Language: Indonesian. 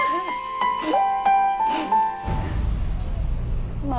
jauh dari rumah